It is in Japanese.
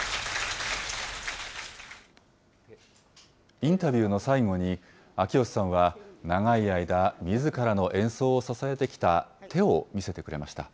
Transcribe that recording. インタビューの最後に、秋吉さんは、長い間、みずからの演奏を支えてきた手を見せてくれました。